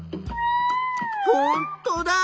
ほんとだ！